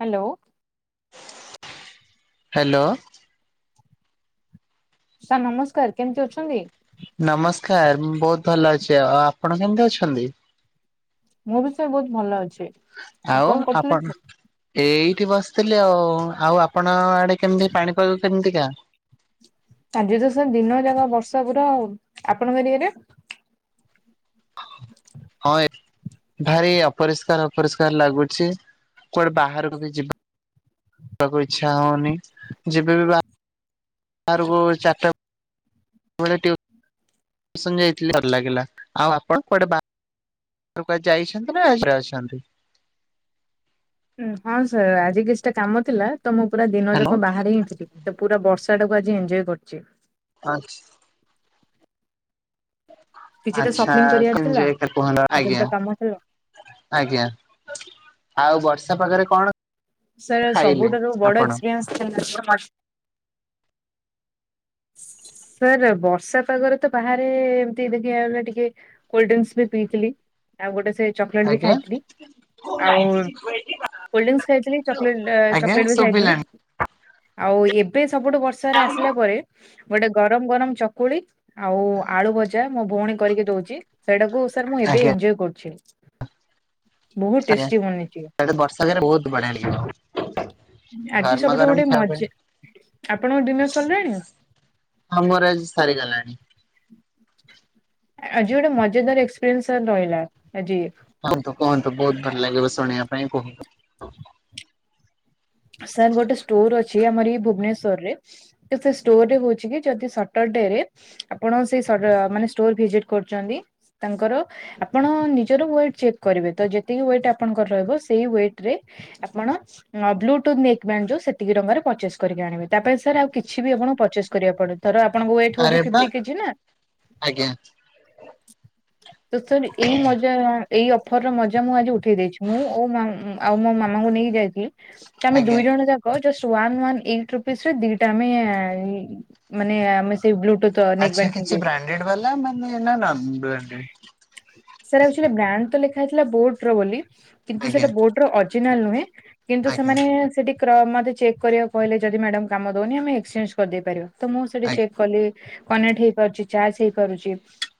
Hello. Hello. Sir ନମସ୍କାର କେମତି ଅଛନ୍ତି? ନମସ୍କାର, ବହୁତ ଭଲ ଅଛି ଆଉ। ଆଉ ଆପଣ କେମତି ଅଛନ୍ତି? ମୁଁ ବି ସାର୍ ବହୁତ ଭଲ ଅଛି। ଆଉ କ'ଣ କରୁଥିଲେ ସାର୍? ଏଇଠି ବସଥିଲି ଆଉ। ଆଉ ଆପଣ ଆଡେ କେମତି ପାଣି ପାଗ କେମତିକା? ଆଜି ତ ସାର୍ ଦିନକ ଯାକ ବର୍ଷା ପୁରା ଆଉ। ଆପଣଙ୍କ ଏରିଆରେ? ହଁ, ଏ ଭାରି ଅପରିଷ୍କାର ଅପରିଷ୍କାର ଲାଗୁଛି। କୁଆଡେ ବାହାରକୁ କି ଯିବ ବାକୁ ଇଚ୍ଛା ହଉନି। ଯେବେ ବି ବା ବାକୁ ଚାର ଟା ବେଳେ ଟ୍ୟୁ ସନ୍ ଯାଇଥିଲି ଡରଲାଗିଲା। ଆଉ ଆପଣ କୁଆଡେ ବା ଟ୍ରୁ ପା ଯାଇଛନ୍ତି ନା [unintelligible] ଅଛନ୍ତି। ଉଁ ହଁ ସାର୍ ଆଜି କିଛିଟା କାମ ଥିଲା ତ ମୁଁ ପୁରା ଦିନ ହ୍ୟାଲୋ ଯାକ ବାହାରାରେ ହିଁ ଥିଲି। ସେ ପୁରା ବର୍ଷା ଟାକୁ ଆଜି ଏଞଜୟ କରିଛି। ଆଚ୍ଛ୍। କିଛିଟା ଆଚ୍ଛା ସପିଂ [unintelligible] କରିବାର ଥିଲା କୁହନ୍ତୁ କିଛିଟା ଆଜ୍ଞା। କାମ ଥିଲା। ଆଜ୍ଞା, ଆଉ ବର୍ଷା ପାଗରେ କ'ଣ ସାର୍ ଖାଇଲେ ସବୁଠାରୁ ବଡ ଆପଣ ଏକ୍ସପିରିନ୍ସ ଜିଓ ମାଟ୍। ସାର୍ ବର୍ଷା ପାଗରେ ତ ବାହାରେ ଏମତି ଦେଖିଗଲା ଟିକେ କୋଲ୍ଡରୀଙ୍କସ୍ ବି ପିଇଥିଲି ଆଉ ଗୋଟେ ସେ ଚକୋଲେଟ୍ ବି ଆଜ୍ଞା? ଖାଇଥିଲି। ଆଉ ଆଜ୍ଞା କୋଲ୍ଡରୀଙ୍କସ୍ ଖାଇଥିଲି। ଚଲେଟ ଆ ଚଲେଟ ବି ଖାଇଥିଲି। ଶୁଭିଲାଣି ଆଉ ଏବେ ସବୁଠୁ ବର୍ଷାରେ ଆସିଲା ପରେ ଗୋଟେ ଗରମ ଗରମ ଚକୁଳି ଆଉ ଆଳୁ ଭଜା ମୋ ଭଉଣୀ କରିକି ଦଉଛି। ସେଇଟାକୁ ସାର୍ ମୁଁ ଏବେ ଆଜ୍ଞା। ଏଞ୍ଜୟ କରୁଛି ବହୁତ୍ ଟେଷ୍ଟି ବନେଇଛି। ସେଟା ବର୍ଷା [unintelligible] ବହୁତ୍ ବଢ଼ିଆ ଲାଗିବ। ଆଜି ଗରମା ସବୁଠୁ ଗରମ ଗୋଟେ ଖାଇବା ପାଇଁ। ମଜା ଆପଣଙ୍କ ଡିନର୍ ସରିଲାଣି? ହଁ ମୋର ଆଜି ସରିଗଲାଣି। ଆଜି ଗୋଟେ ମଜାଦାର ଏକ୍ସପିରିଏନ୍ସ୍ ସାରେ ରହିଲା ଆଜି। କୁହନ୍ତୁ କୁହନ୍ତୁ ବହୁତ୍ ଭଲ ଲାଗିବ ଶୁଣିବା ପାଇଁ କୁହନ୍ତୁ। ସାର୍ ଗୋଟେ ଷ୍ଟୋର ଅଛି ଆମର ଏଇ ଭୁବନେଶ୍ଵର ରେ। ସେ ଷ୍ଟୋର୍ ରେ ହଉଛି କି ଯଦି ସଟର ଡେ ରେ ଆପଣ ସେ ସଟ ମାନେ ଷ୍ଟୋର ଭିଜିଟ୍ କରୁଛନ୍ତି ତାଙ୍କର ଆପଣ ନିଜର ୱେଟ୍ ଚେକ୍ କରିବେ ତ ଯେତିକି ୱେଟ୍ ଆପଣଙ୍କର ରହିବ ସେଇ ୱେଟ୍ ରେ ଆପଣ [unintelligible] [unintelligible] ସେତିକି ଟଙ୍କା ରେ ପରଚେସ୍ କରିକି ଆଣିବେ ତାପରେ ସାର୍ ଆଉ କିଛି ବି ଆପଣଙ୍କୁ ପରଚେସ୍ କରିବାକୁ ପଡ଼ୁ ଧର ଆପଣଙ୍କ ୱେଟ୍ ହଉଛି ଆରେ ବା ଫିଫ୍ଟି କେଜି ନା ଆଜ୍ଞା ତ ସାରେ ଏଇ ମଜା ଏଇ ଅଫର ର ମଜା ମୁଁ ଆଜି ଉଠେଇ ଦେଇଛି ମୁଁ ଓ [unintelligible] ଆଉ ମୋ ମାମାଙ୍କୁ ନେଇକି ଯାଇଥିଲି। କି ଆମେ ଆଜ୍ଞା ଦୁଇ ଜଣ ଯା ହଁ ଜଷ୍ଟ୍ ୱାନ୍ ୱାନ୍ [unintelligible] ରୁପିସ୍ ରେ ଦିଟା ଆମେ ମାନେ ଆମେ ସେ ବ୍ଲୁଥୁଟ୍ ଆଚ୍ଛା କିଛି ବ୍ରାଣ୍ଡେଡ୍ ବାଲା ମାନେ ନା ନନ୍ ବ୍ରାଣ୍ଡେଡ୍? ସେରା ଆଚ୍ୟୁଲି ବ୍ରାଣ୍ଡ ତ ଲେଖା ହେଇଥିଲା ବୋଟ୍ ର ବୋଲି କିନ୍ତୁ ଆଜ୍ଞା ସେଇଟା ବୋଟ୍ ର ଅର୍ଜିନାଲ୍ ନୁହେଁ କିନ୍ତୁ ଆଜ୍ଞା ସେମାନେ ସେଠି [unintelligible] ମତେ ଚେକ୍ କରିବା କୁ କହିଲେ ଯଦି ମ୍ୟାଡା଼ମ କାମ ଦଉନି ଆମେ ଏକ୍ସଚେଞ୍ଜ୍ କରିଦେଇ ପାରିବା ତ ମୁଁ ସେଠି ଆଜ୍ଞା ଚେକ୍ କଲି। କନେକ୍ଟ ହେଇପାରୁଛି ଚାର୍ଜ ହେଇପାରୁଛି।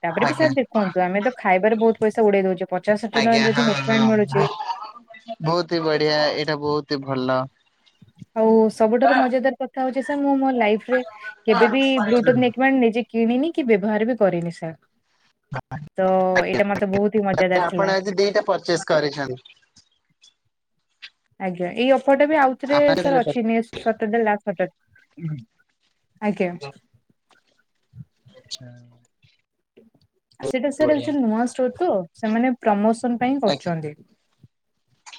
ତାପରେ ବି ଆଜ୍ଞା। ସାର୍ ଦେଖନ୍ତୁ ଆମେ ତ ଖାଇବାରେ ବହୁତ୍ ପଇସା ଉଡ଼େଇ ଦଉଛେ ପଚାଶ ଷାଠିଏ ଆଜ୍ଞା ଟଙ୍କାରେ ହଁ ଯଦି ହଁ [unintelligible] ମିଳୁଚି। ବହୁତ ହିଁ ବଢ଼ିଆ ଏଇଟା ବହୁତ୍ ହି ଭଲ। ଆଉ ସବୁଠାରୁ ମଜାଦାର କଥା ହଉଛି ସାର୍ ମୁଁ ମୋ ଲାଇଫ୍ ରେ କେବେବି ବ୍ଲୁଟୁ [unintelligible] ନିଜେ କିଣିନି କି ବ୍ୟବହାର ବି କରିନି ସାର୍ ତ ଏଇଟା ମତେ ବହୁତ୍ ହିଁ ମଜାଦାର ଆପଣ ଥିଲା। ଆଜି ଦିଟା ପରଚେସ୍ କରିଛ [unintelligible] ଆଜ୍ଞା ଏଇ ଅଫରଟା ବି ଆଉଥରେ ଆପଣ ସାରେ କେତେ ଅଛି next Saturday last Saturday ଆଜ୍ଞା। ହୁଁ। ସେଟା ସାର୍ ଆଚ୍ୟୁଲି ନୂଆ ଷ୍ଟୋର ତ ସେମାନେ ପ୍ରମୋସନ୍ ପାଇଁ ଆଜ୍ଞା। କରୁଚନ୍ତି।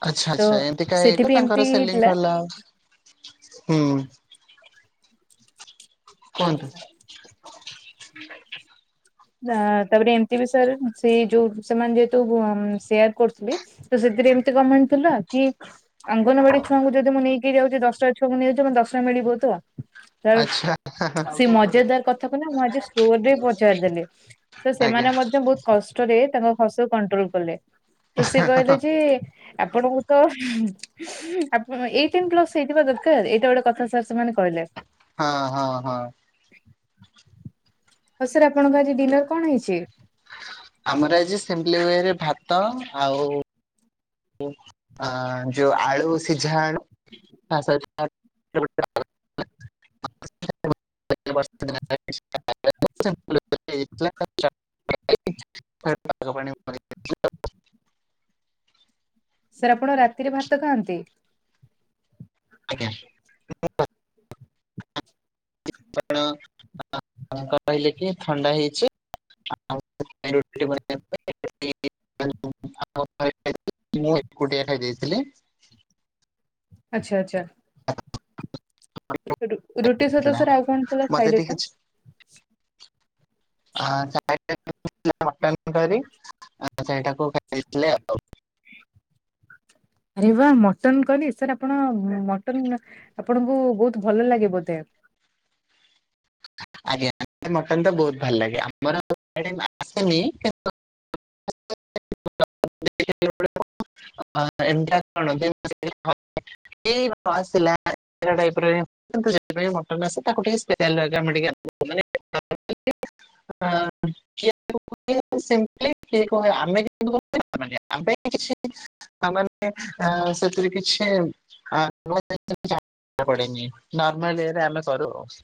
ଆଚ୍ଛା ଆଚ୍ଛା ଏମିତି କା [unintelligible] ତାଙ୍କର ସେଲିଙ୍ଗ୍ ହେଇଥିଲା। ଭଲ ହବ ହୁଁ। କୁହନ୍ତୁ। ତା ତାପରେ ଏମିତି ବି ସାର୍ ସେ ଯୋଉ ସେମାନେ ଯେହେତୁ ସେୟାର କରୁଥିଲେ। ତ ସେଥିରେ ଏମିତି [unintelligible] ଥିଲା? କି ଅଙ୍ଗନବାଡି ଛୁଆଙ୍କୁ ଯଦି ମୁଁ ନେଇକି ଯାଉଛି ଦଶଟା ଛୁଆଙ୍କୁ [unintelligible] ଦଶଟା ଆଚ୍ଛା [unintelligible] [unintelligible] ସେ ମଜାଦାର କଥା କୁ ନା ମୁଁ ଆଜି ଷ୍ଟୋର ରେ ପଚାରିଦେଲି। ତ ଆଜ୍ଞା ସେମାନେ ମଧ୍ୟ ବହୁତ କଷ୍ଟରେ ତାଙ୍କ ହସକୁ କଣ୍ଟ୍ରୋଲ କଲେ। ତ ସେ କହିଲେ ଯେ ଆପଣଙ୍କୁ ତ ଆ ଏଇଟିନ୍ ପ୍ଲସ ହେଇଥିବା ଦରକାର ଏଇଟା ଗୋଟେ କଥା ସାର୍ ସେମାନେ କହିଲେ। ହଁ ହଁ ହଁ। ହଉ ସାର୍ ଆପଣଙ୍କ ଆଜି ଡିନର କଣ ହେଇଛି? ଆମର ଆଜି ସିମ୍ପିଲି ୱେ ରେ ଭାତ ଆଉ ଆ ଯୋଉ ଆଳୁ ସିଝା [unintelligible] [inaudible] [unintelligible] ସାର୍ ଆପଣ ରାତିରେ ଭାତ ଖାଆନ୍ତି? ଆଜ୍ଞା ହଁ [inaudible] [inaudible] ହଲେ କି ଥଣ୍ଡା ହେଇଛି [unintelligible] [inaudible] ମୁଁ ଏକୁଟିଆ ଖାଇ ଦେଇେଇଥିଲି [unintelligible] ଆଚ୍ଛା ଆଚ୍ଛା ରୁଟି ସହିଁତ ହେଲା ସାର ଆଉ କଣ ତାଥିଲା ମତେ ଖାଇଲେ ଟିକେ ଟା? ହଁ [unintelligible] ମଟନ କରି ସେଟାକୁ ଖାଇଥିଲେ ଆଉ [unintelligible] ଆରେ ବା ମଟନ୍ କରୀ ସାର୍ ଆପଣ ମଟନ ଆପଣଙ୍କୁ ବହୁତ ଭଲ ଲାଗେ ବୋଧେ। ଆଜ୍ଞା ମକନ୍ ତ ବହୁତ ଭଲ ଲାଗେ ଆମର ଆସେନି କିନ୍ତୁ [unintelligible] [inaudible] ଏଣ [unintelligible] [inaudible] ଏଇଁସିଲ ଏ ଟାଇପ୍ର [inaudible] ମଟନ୍ସ ତାକୁ ଟିକେ ସ୍ ଆମେ ଟିକେ [unintelligible] ହ [inaudible] ଆମେ [unintelligible] [inaudible] ଆ ପାଇଁ କିଛି ଆମାନେ ଆ ସେଥିରେ କିଛି [unintelligible] ଁିମାରେ ଆମେ କରୁ ଆ [unintelligible]